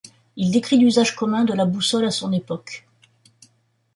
Il décrit l'usage commun de la boussole à son époque.